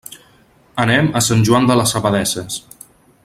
Anem a Sant Joan de les Abadesses.